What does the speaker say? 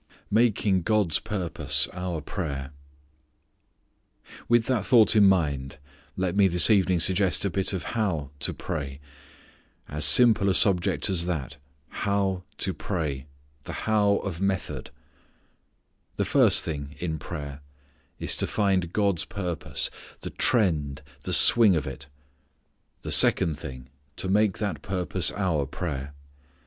Making God's Purpose Our Prayer. With that thought in mind let me this evening suggest a bit of how to pray. As simple a subject as that: how to pray: the how of method. The first thing in prayer is to find God's purpose, the trend, the swing of it; the second thing to make that purpose our prayer.